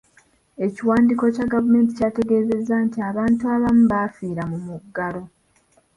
Ekiwandiiko kya gavumenti kyategeezezza nti abantu abamu bafiira mu muggalo.